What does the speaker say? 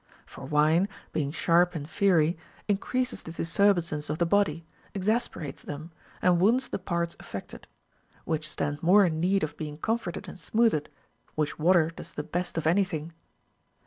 For Avine, being sharp and fiery, increases the disturbances of the body, exasper ates them, and wounds the parts affected ; which stand more in need of being comforted and smoothed, which Avater does the best of any thing.